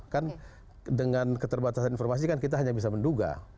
kan dengan keterbatasan informasi kan kita hanya bisa menduga